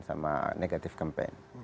sama negatif campaign